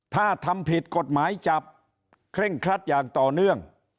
ถ้าทำผิดกฎหมายจับเคร่งครัดอย่างต่อเนื่อง